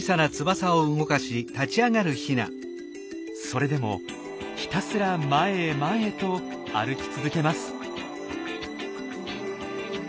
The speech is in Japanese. それでもひたすら前へ前へと歩き続けます。